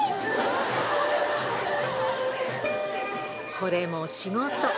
これも仕事。